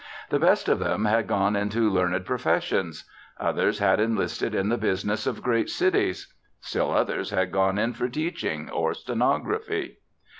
The best of them had gone into learned professions; others had enlisted in the business of great cities; still others had gone in for teaching or stenography.